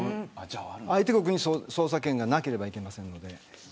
相手国に捜査権がなければいけません。